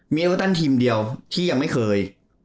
มีเอเวอร์ตันทีมเดียวที่ยังไม่เคย